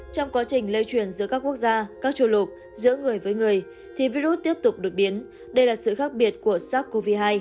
trong quá trình lây truyền giữa các quốc gia các châu lục giữa người với người thì virus tiếp tục đột biến đây là sự khác biệt của sars cov hai